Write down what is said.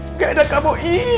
nggak ada kamu